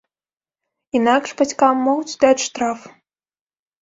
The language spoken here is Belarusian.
Інакш бацькам могуць даць штраф.